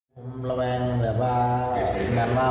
ผมระวังแบบว่าว่ามันกล้าว